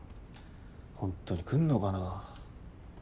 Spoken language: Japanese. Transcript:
ほんとに来んのかな。